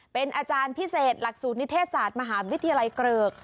เป็นอาจารย์พิเศษหลักสูตรนิเทศศาสตร์มหาวิทยาลัยเกริก